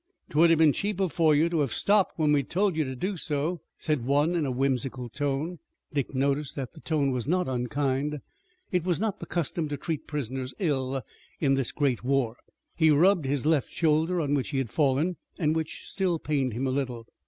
"'Twould have been cheaper for you to have stopped when we told you to do it," said one in a whimsical tone. Dick noticed that the tone was not unkind it was not the custom to treat prisoners ill in this great war. He rubbed his left shoulder on which he had fallen and which still pained him a little.